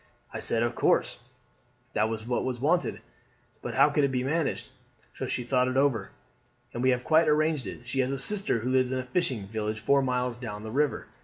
I said, of course, that was what was wanted, but how could it be managed? So she thought it over, and we have quite arranged it. She has a sister who lives in a fishing village four miles down the river.